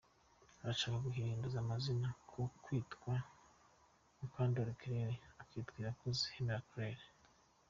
Arashaka guhinduza amazina aho kwitwa Mukandori Claire akitwa Irakoze Humure Claire.